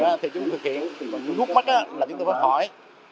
thì chúng thực hiện rút mắt là chúng tôi phải khỏi